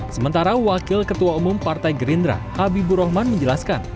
sementara wakil ketua umum partai gerindra habibur rahman menjelaskan